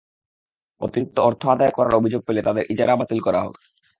অতিরিক্ত অর্থ আদায় করার অভিযোগ পেলে তাঁদের ইজারা বাতিল করা হবে।